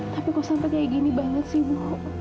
tapi kok sampai kayak gini banget sih bu